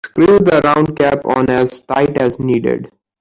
Screw the round cap on as tight as needed.